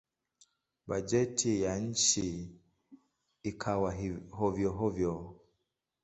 Bajeti ya nchi ikawa hovyo-hovyo.